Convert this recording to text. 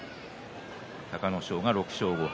隆の勝は６勝５敗